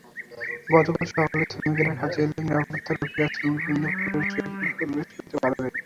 গতকাল সকালে শ্রমিকেরা কাজে এলে নিরাপত্তারক্ষীরা শ্রমিকদের মিলে প্রবেশ করতে বাধা দেয়।